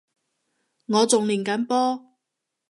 我仲練緊波